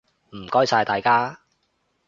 唔該晒大家！